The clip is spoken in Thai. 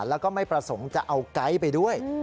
แล้วก็ไม่ประสงค์จะเอาไกด์ไปด้วย